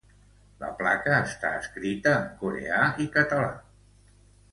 La placa està escrita en coreà i català.